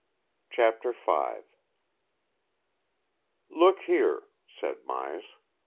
CHAPTER V "Look here," said Myas.